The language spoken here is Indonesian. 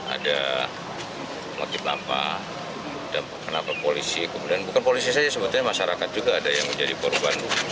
ada motif lampa dan kenapa polisi kemudian bukan polisi saja sebetulnya masyarakat juga ada yang menjadi korban